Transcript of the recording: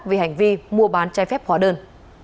về hành vi mua bán chai phép khóa đơn